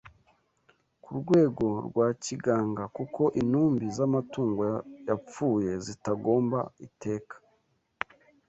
ku rwego rwa kiganga, kuko intumbi z’amatungo yapfuye zitagomba iteka